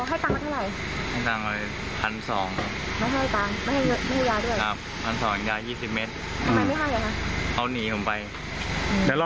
ให้ตังค์มาเท่าไหร่